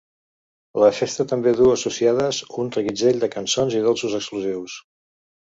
La festa també duu associades un reguitzell de cançons i dolços exclusius.